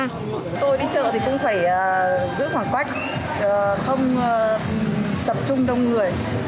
tôi đến chợ thì cũng phải giữ khoảng cách không tập trung đông người